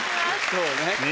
そうね。